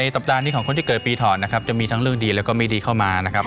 สัปดาห์นี้ของคนที่เกิดปีถอนนะครับจะมีทั้งเรื่องดีแล้วก็ไม่ดีเข้ามานะครับ